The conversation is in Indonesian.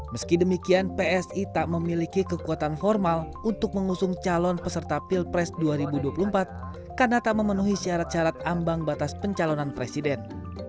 meski demikian psi tak memiliki kekuatan formal untuk mengusung calon peserta pilpres dua ribu dua puluh empat karena tak memenuhi syarat syarat ambang batas pencalonan presiden